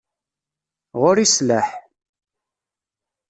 Ɣur-i sslaḥ.